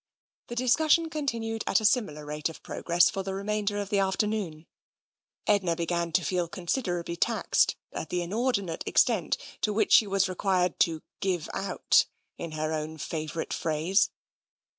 The discussion continued at a similar rate of progress for the remainder of the afternoon. Edna began to feel considerably taxed at the in ordinate extent to which she was required to " give out," in her own favourite phrase.